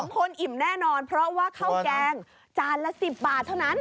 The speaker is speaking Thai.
๒คนอิ่มแน่นอนเพราะว่าข้าวแกงจานละ๑๐บาทเท่านั้น